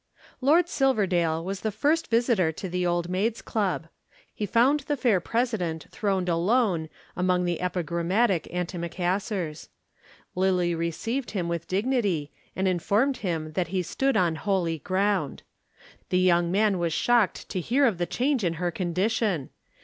Lord Silverdale was the first visitor to the Old Maids' Club. He found the fair President throned alone among the epigrammatic antimacassars. Lillie received him with dignity and informed him that he stood on holy ground. The young man was shocked to hear of the change in her condition.